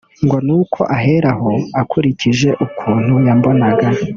ngo ni uko aheraho akurikije ukuntu yambonaga